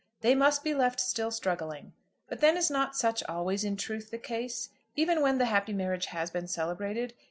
They must be left still struggling. But then is not such always in truth the case, even when the happy marriage has been celebrated?